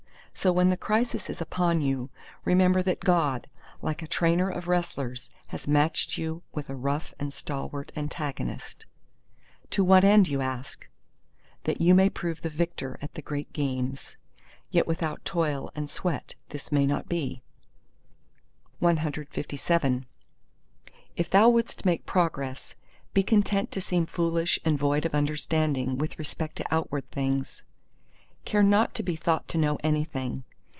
So when the crisis is upon you, remember that God, like a trainer of wrestlers, has matched you with a rough and stalwart antagonist.—"To what end?" you ask. That you may prove the victor at the Great Games. Yet without toil and sweat this may not be! CLVIII If thou wouldst make progress, be content to seem foolish and void of understanding with respect to outward things. Care not to be thought to know anything.